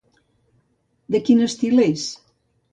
De quin estil és?